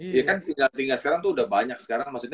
tinggal tinggal sekarang itu udah banyak sekarang